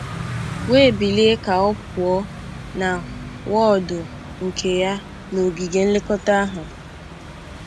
wee bilie ka ọ pụọ na wọọdụ nke ya n'ogige nlekọta ahụ